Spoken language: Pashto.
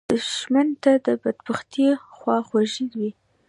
دښمن تل د بدبختۍ خواخوږی وي